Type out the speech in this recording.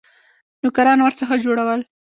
نوکران ورڅخه جوړول.